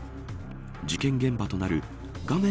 事件現場となる画面